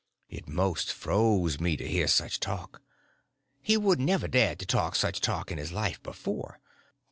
It most froze me to hear such talk. He wouldn't ever dared to talk such talk in his life before.